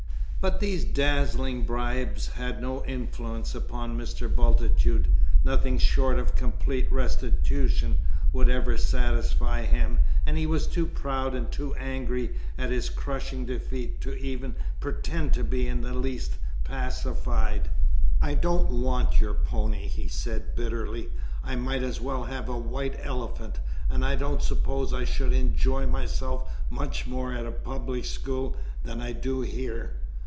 But these dazzling bribes had no influence upon Mr. Bultitude; nothing short of complete restitution would ever satisfy him, and he was too proud and too angry at his crushing defeat to even pretend to be in the least pacified. "I don't want your pony," he said bitterly; "I might as well have a white elephant, and I don't suppose I should enjoy myself much more at a public school than I do here.